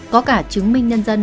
có cả chứng minh nhân dân